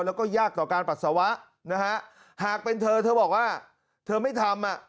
แล้วก็ยากต่อการปัสสาวะนะฮะหากเป็นเธอเธอบอกว่าเธอไม่ทำอ่ะ